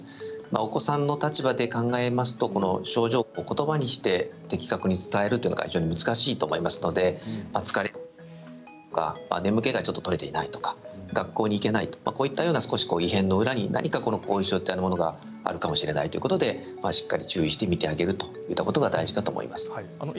お子さんの立場で考えますと症状をことばにして的確に伝えるというのは非常に難しいと思いますので疲れやすいとか眠気が取れていないとか学校に行けないなど異変の裏に何か後遺症というものがあるかもしれないということでしっかり注意して見てあげるといったことが大事だと思います。